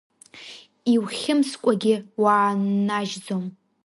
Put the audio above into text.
Иухьымскәагьы уааннажьзом…